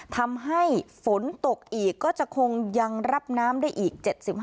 ทำให้ฝนตกอีกก็จะคงยังรับน้ำได้อีก๗๕